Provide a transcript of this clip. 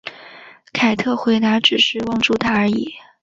凯特回答只是望住他而已。